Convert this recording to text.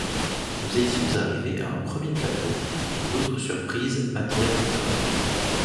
Nous étions arrivés à un premier plateau, où d’autres surprises m’attendaient encore.